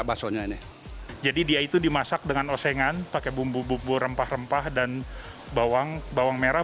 basonya ini jadi dia itu dimasak dengan osengan pakai bumbu empat puluh enam rempah rempah dan bawang bawang merah